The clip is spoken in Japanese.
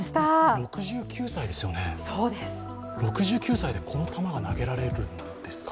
６９歳ですよね、６９歳でこの球が投げられるんですか。